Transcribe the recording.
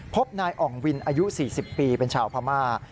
พบนายอ่องวินอายุ๔๐ปีเป็นชาวพม่า